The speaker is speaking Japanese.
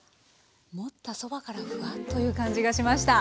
持ったそばからふわっという感じがしました。